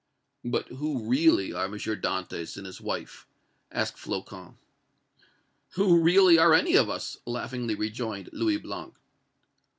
"But who really are M. Dantès and his wife?" asked Flocon. "Who really are any of us?" laughingly rejoined Louis Blanc.